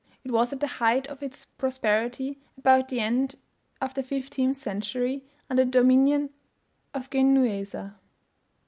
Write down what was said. It was at the height of its prosperity about the end of the fifteenth century, under the dominion of Genueser.